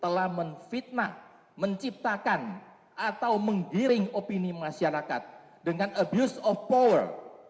telah menfitnah menciptakan atau menggiring opini masyarakat dengan abuse of power